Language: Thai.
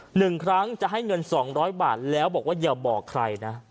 หนึ่งครั้งจะให้เงินสองร้อยบาทแล้วบอกว่าอย่าบอกใครนะ